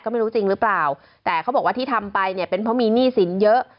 ไม่รู้จริงหรือเปล่าแต่เขาบอกว่าที่ทำไปเนี่ยเป็นเพราะมีหนี้สินเยอะ